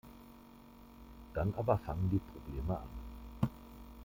Dann aber fangen die Probleme an.